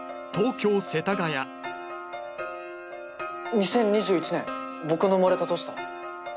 ２０２１年僕の生まれた年だ！